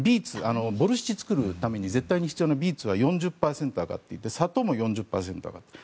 ボルシチを作るために絶対に必要なビーツは４０％上がっていて砂糖も４０％上がっている。